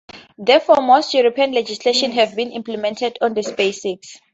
Therefore, most European legislation has been implemented on this basis.